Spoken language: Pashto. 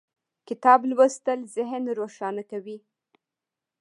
کتاب لوستل ذهن روښانه کوي